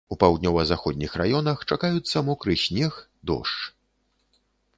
У паўднёва-заходніх раёнах чакаюцца мокры снег, дождж.